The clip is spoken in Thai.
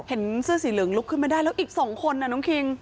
เห็นเสื้อสีเหลืองลุกขึ้นมาได้แล้วอีก๒คนน้องคิง